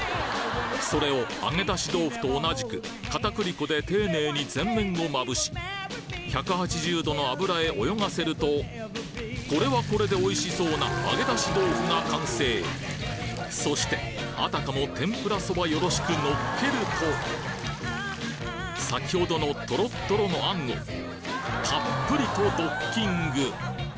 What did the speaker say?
それを揚げ出し豆腐と同じく片栗粉で丁寧に全面をまぶし１８０℃の油へ泳がせるとこれはこれでおいしそうな揚げ出し豆腐が完成そしてあたかも天ぷらそばよろしくのっけると先程のとろっとろの餡をたっぷりとドッキング！